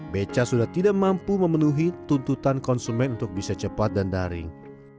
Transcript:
beca sudah tidak mampu memenuhi tuntutan konsumen untuk bisa cepat dan daring